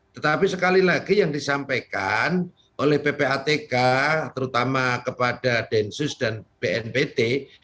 tetapi sekali lagi yang disampaikan oleh ppatk terutama kepada densus dan bnpt